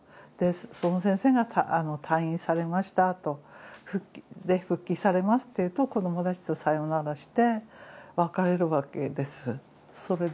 その先生が退院されましたとで復帰されますというと子どもたちとさよならして別れるわけです。